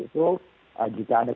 jika ada kegiatan kegiatan yang besar